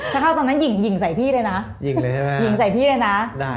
ถ้าเข้าตอนนั้นหยิ่งใส่พี่เลยนะ